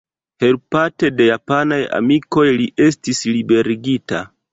Helpate de japanaj amikoj, li estis liberigita.